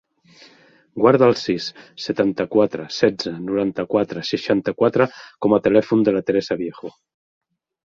Guarda el sis, setanta-quatre, setze, noranta-quatre, seixanta-quatre com a telèfon de la Teresa Viejo.